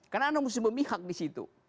karena anda harus memihak di situ